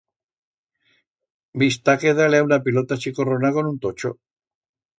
Bi'stá que dar-li a una pilota chicorrona con un tocho.